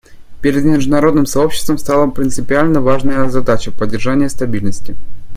Перед международным сообществом встала принципиально важная задача поддержания стабильности.